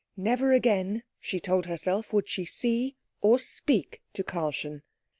Never again, she told herself, would she see or speak to Karlchen.